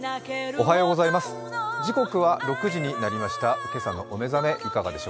おはようございます。